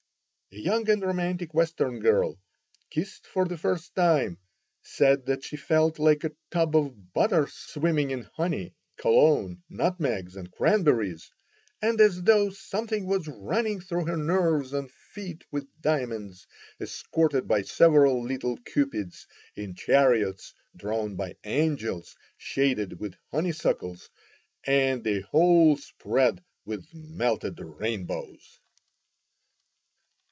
A young and romantic Western girl, kissed for the first time, said that she felt like a tub of butter swimming in honey, cologne, nutmegs, and cranberries, and as though something was running through her nerves on feet with diamonds, escorted by several little Cupids in chariots drawn by angels, shaded with honeysuckles, and the whole spread with melted rainbows!